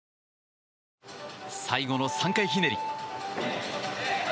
最後の３回ひねり。